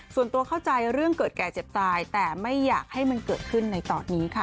ส่วนตัวเข้าใจเรื่องเกิดแก่เจ็บตายแต่ไม่อยากให้มันเกิดขึ้นในตอนนี้ค่ะ